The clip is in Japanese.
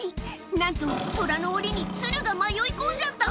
なんと、トラのおりにツルが迷い込んじゃった。